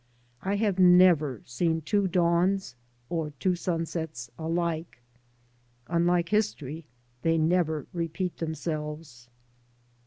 I have never seen two dawns or two sunsets alike. Unlike history, they never repeat themselves.